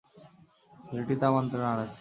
ছেলেটি তা মানতে নারাজ।